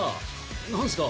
何すか！？